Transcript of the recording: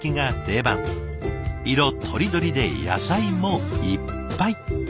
色とりどりで野菜もいっぱい。